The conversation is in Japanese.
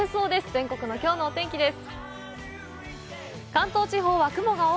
全国のきょうのお天気です。